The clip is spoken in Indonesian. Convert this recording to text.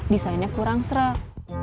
desainnya kurang serap